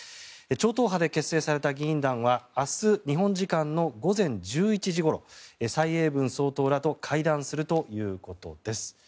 超党派で結成された議員団は明日、日本時間の午前１１時ごろ蔡英文総統らと会談するということです。